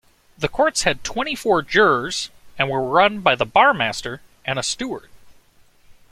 The courts had twenty-four jurors, and were run by the Barmaster and a steward.